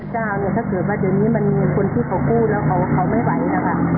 เจ้าเนี่ยถ้าเกิดว่าเดี๋ยวนี้มันมีคนที่เขาพูดแล้วเขาไม่ไหวนะคะ